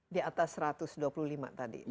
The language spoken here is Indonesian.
di atas satu ratus dua puluh lima tadi